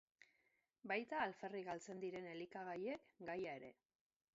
Baita alferrik galtzen diren elikagaiek gaia ere.